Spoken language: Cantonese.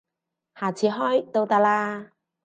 下次開都得啦